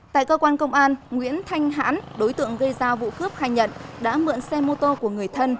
tại cơ quan công an nguyễn thanh hãn đối tượng gây ra vụ cướp khai nhận đã mượn xe mô tô của người thân